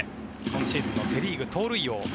今シーズンのセ・リーグ盗塁王。